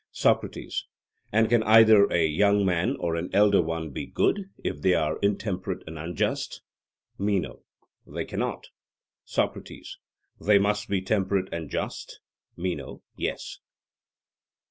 SOCRATES: And can either a young man or an elder one be good, if they are intemperate and unjust? MENO: They cannot. SOCRATES: They must be temperate and just? MENO: Yes.